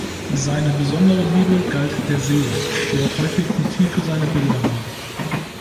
Seine besondere Liebe galt der See, die auch häufig Motiv für seine Bilder war.